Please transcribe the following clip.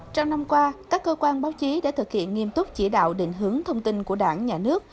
trong năm qua các cơ quan báo chí đã thực hiện nghiêm túc chỉ đạo định hướng thông tin của đảng nhà nước